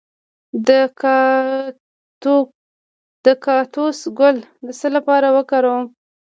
د کاکتوس ګل د څه لپاره وکاروم؟